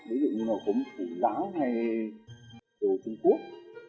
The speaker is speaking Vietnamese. ví dụ như là củ láo hay đồ chung quốc